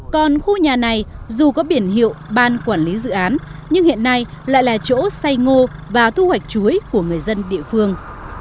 còn khu nhà này dù có biển hiệu ban quản lý dự án nhưng hiện nay lại là chỗ xây ngô và thu hoạch chuối của người dân địa phương